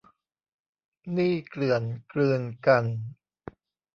หนี้เกลื่อนกลืนกัน